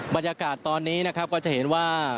บรรยากาศตอนนี้นะครับก็จะเห็นว่า